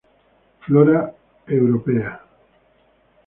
Flora Europaea.